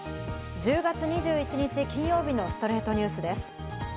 １０月２１日、金曜日の『ストレイトニュース』です。